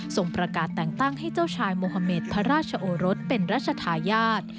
ส่งประกาศแต่งตั้งให้เจ้าชายโมฮาเมดพระราชโอรสเป็นรัชธาญาติ